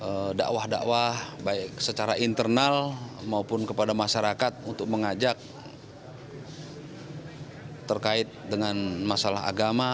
kepada dakwah dakwah baik secara internal maupun kepada masyarakat untuk mengajak terkait dengan masalah agama